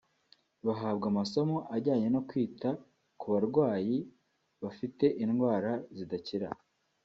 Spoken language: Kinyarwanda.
bahabwa amasomo ajyanye no kwita ku barwayi bafite indwara zidakira